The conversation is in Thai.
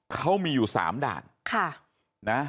เขามีอยู่๓ด่าน